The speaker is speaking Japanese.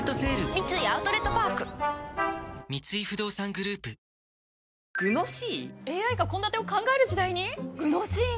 三井アウトレットパーク三井不動産グループ続いては中継です。